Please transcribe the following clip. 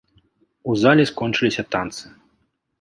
У зале скончыліся танцы.